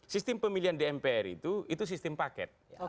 sistem pemilihan di mpr itu itu sistem paket